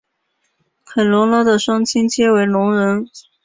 凯萝拉的双亲皆为聋人。